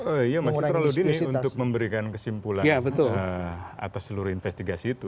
oh iya masih terlalu dini untuk memberikan kesimpulan atas seluruh investigasi itu